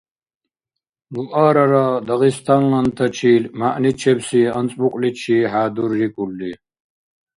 Луарара дагъистанлантачил мягӀничебси анцӀбукьличи хӀядуррикӀулри.